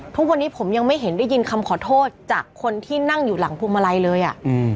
ทุกวันนี้ผมยังไม่เห็นได้ยินคำขอโทษจากคนที่นั่งอยู่หลังพวงมาลัยเลยอ่ะ